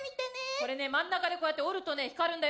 これね真ん中でこうやって折るとね光るんだよ。